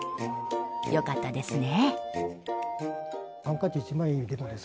良かったですね！